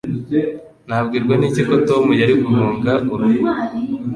Nabwirwa n'iki ko Tom yari guhunga urugo?